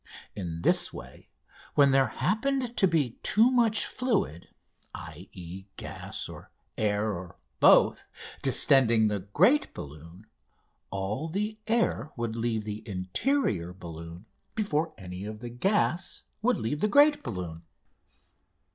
In this way, when there happened to be too much fluid (i.e. gas or air, or both) distending the great balloon, all the air would leave the interior balloon before any of the gas would leave the great balloon.